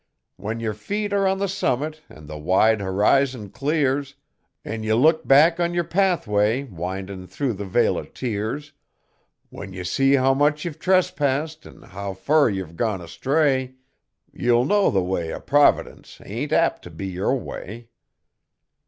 When yer feet are on the summit, an' the wide horizon clears, An' ye look back on yer pathway windin' thro' the vale o' tears; When ye see how much ye've trespassed an' how fur ye've gone astray, Ye'll know the way o' Providence ain't apt t' be your way.